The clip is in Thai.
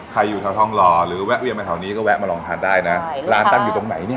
อยู่แถวทองหล่อหรือแวะเวียนมาแถวนี้ก็แวะมาลองทานได้นะร้านตั้งอยู่ตรงไหนเนี่ย